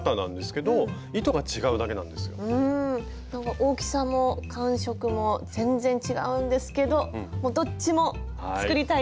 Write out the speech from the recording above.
大きさも感触も全然違うんですけどどっちも作りたいです。